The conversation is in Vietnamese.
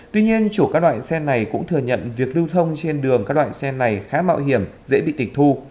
tuy nhiên chủ các loại xe này cũng thừa nhận việc lưu thông trên đường các loại xe này khá mạo hiểm dễ bị tịch thu